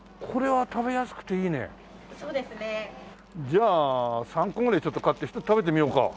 じゃあ３個ぐらい買って１つ食べてみようか。